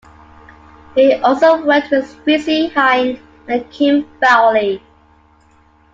He also worked with Chrissie Hynde and Kim Fowley.